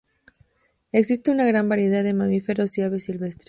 Existe una gran variedad de mamíferos y aves silvestres.